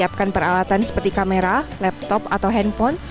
siapkan peralatan seperti kamera laptop atau handphone